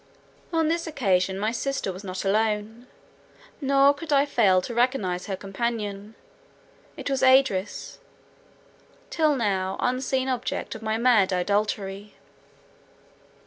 On this occasion, my sister was not alone; nor could I fail to recognise her companion: it was Idris, the till now unseen object of my mad idolatry.